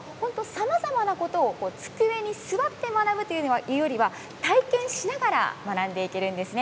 さまざまなことを机に座って学ぶっていうよりは体験しながら学んでいけるんですね。